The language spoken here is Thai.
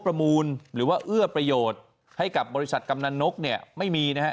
ประมูลหรือว่าเอื้อประโยชน์ให้กับบริษัทกำนันนกเนี่ยไม่มีนะฮะ